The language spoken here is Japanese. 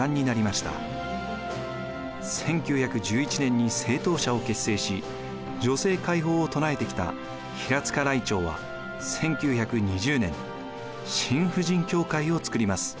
１９１１年に青鞜社を結成し女性解放を唱えてきた平塚らいてうは１９２０年新婦人協会を作ります。